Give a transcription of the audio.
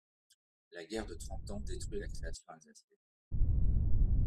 La guerre de Trente Ans détruit la création alsacienne.